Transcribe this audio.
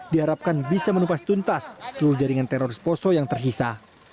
diharapkan bisa menupas tuntas seluruh jaringan teroris poso yang tersisa